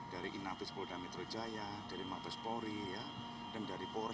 dari inapis polda metro jaya dari mapes pori dan dari por